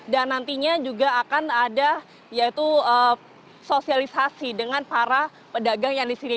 dan nantinya juga akan ada yaitu sosialisasi dengan para pedagang yang disini